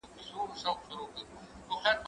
زه مېوې خوړلې ده!.